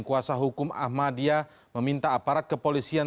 kuasa hukum ahmadiyah meminta aparat kepolisian